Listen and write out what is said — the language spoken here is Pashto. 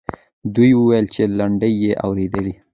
دوی وویل چې لنډۍ یې اورېدلې.